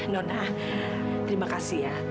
nona terima kasih ya